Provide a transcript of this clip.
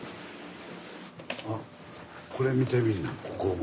あこれ見てみいなここも。